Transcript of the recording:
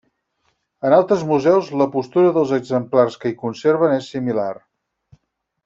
En altres museus, la postura dels exemplars que hi conserven és similar.